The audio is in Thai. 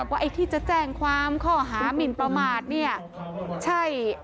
ไอ้ที่จะแจ้งความข้อหามินประมาทเนี่ยใช่